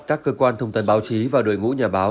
các cơ quan thông tin báo chí và đội ngũ nhà báo